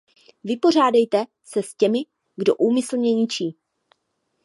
Vypořádejte se s těmi, kdo úmyslně ničí.